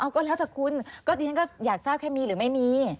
อ๋อครั้งนี้ก็อยากทราบแค่มีหรือไม่มี